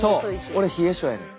俺冷え症やねん。